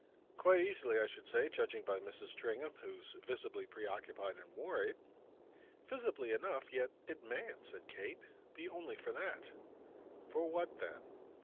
"Quite easily, I should say, judging by Mrs. Stringham, who's visibly preoccupied and worried." "Visibly enough. Yet it mayn't," said Kate, "be only for that." "For what then?"